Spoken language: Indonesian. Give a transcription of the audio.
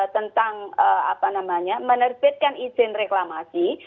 tentang menerbitkan izin reklamasi